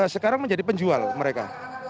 sekarang menjadi penjual mereka